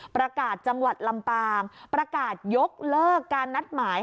ประกาศจังหวัดลำปางประกาศยกเลิกการนัดหมาย